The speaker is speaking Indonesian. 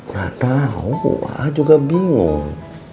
gak tau a juga bingung